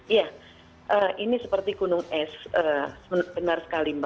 ya ini seperti gunung es